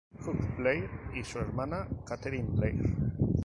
Hugh Blair y su hermana Katherine Blair.